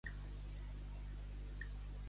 Mai el joglar de la terra canta bé en la festa.